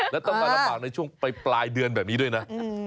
แล้วต้องมาลำบากในช่วงปลายเดือนแบบนี้ด้วยนะ